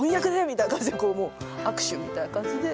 みたいな感じで握手みたいな感じで。